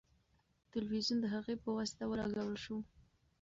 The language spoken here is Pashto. تلویزیون د هغې په واسطه ولګول شو.